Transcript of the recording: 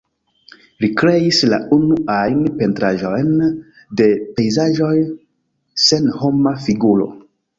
Li kreis la unuajn pentraĵojn de pejzaĝoj sen homa figuro.